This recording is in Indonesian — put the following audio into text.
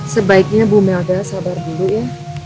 sebaiknya bu mega sabar dulu ya